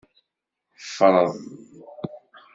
Freḍ.